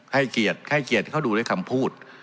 ให้เกียรติกันให้เกียรติเขาดูด้วยคำพูด